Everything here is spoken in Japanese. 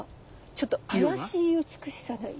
ちょっと妖しい美しさない？